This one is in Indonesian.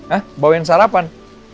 hah bawain sarapan